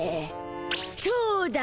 そうだ！